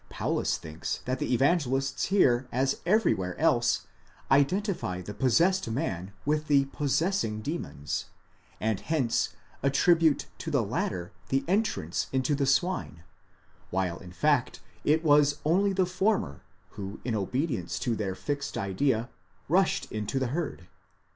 Paulus thinks that the Evangelists here as everywhere else identify the possessed men with the possessing demons, and hence attribute to the latter the entrance into the swine, while in fact it was only the former, who, in obedience to their fixed idea, rushed upon the herd."